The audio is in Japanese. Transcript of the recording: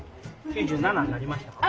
９７になりましたか？